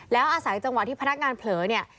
แล้วอาศัยจังหวะที่พนักงานเผลอเนี่ย